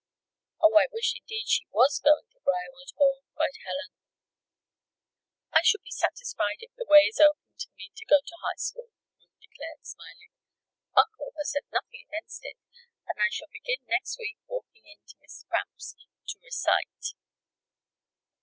"Oh, I wish indeed she was going to Briarwood Hall," cried Helen. "I shall be satisfied if the way is opened for me to go to high school," Ruth declared, smiling. "Uncle has said nothing against it, and I shall begin next week walking in to Miss Cramp's to recite."